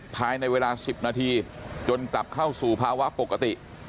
ภายในเวลา๑๐นาทีจนกลับเข้าสู่ภาวะปกติ